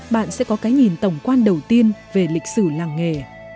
bạn sẽ có cái nhìn tổng quan đầu tiên về lịch sử làng nghề